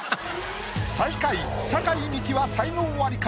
最下位酒井美紀は才能アリか？